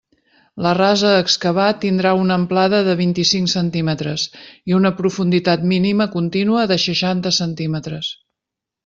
La rasa a excavar tindrà una amplada de vint-i-cinc centímetres i una profunditat mínima contínua de seixanta centímetres.